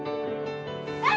あ！